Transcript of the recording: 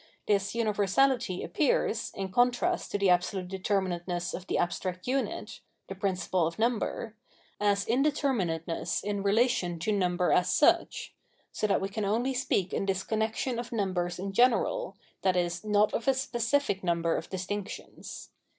This universahty appears, in contrast to the absolute determinateness of the abstract 785 Revealed Religion unit— the principle of number— as indeterminateness in relation to number as such ; so that we can only speak in this connexion of numbers in general, i.e. not of a specific number of distinctions.